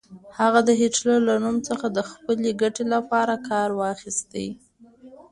هغه د هېټلر له نوم څخه د خپلې ګټې لپاره کار واخيست.